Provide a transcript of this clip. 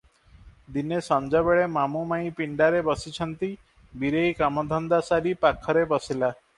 ଦିନେ ସଞ୍ଜବେଳେ ମାମୁ ମାଇଁ ପିଣ୍ଡାରେ ବସିଛନ୍ତି, ବୀରେଇ କାମ ଧନ୍ଦା ସାରି ପାଖରେ ବସିଲା ।